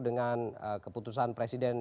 dengan keputusan presiden